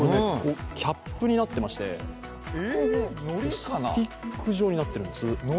キャップになっていましてスティック状になっているんです。